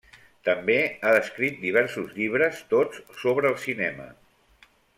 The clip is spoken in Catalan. També ha escrit diversos llibres, tots sobre el cinema.